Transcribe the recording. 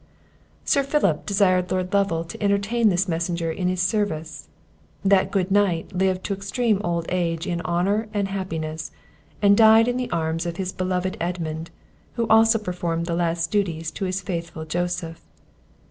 Sir Philip desired Lord Lovel to entertain this messenger in his service. That good knight lived to extreme old age in honour and happiness, and died in the arms of his beloved Edmund, who also performed the last duties to his faithful Joseph.